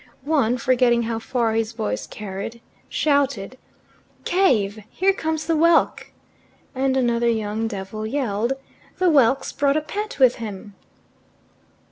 One, forgetting how far his voice carried, shouted, "Cave! Here comes the Whelk." And another young devil yelled, "The Whelk's brought a pet with him!"